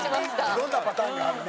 いろんなパターンがあるね。